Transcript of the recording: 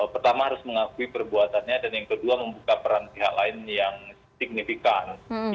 pertama harus mengakui perbuatannya dan yang kedua membuka peran pihak lain yang signifikan